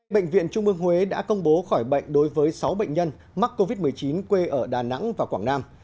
bệnh viện trung ương huế đã công bố khỏi bệnh đối với sáu bệnh nhân mắc covid một mươi chín quê ở đà nẵng và quảng nam